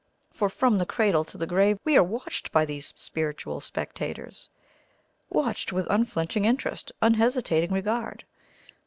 For, from the cradle to the grave, we are watched by these spiritual spectators watched with unflinching interest, unhesitating regard.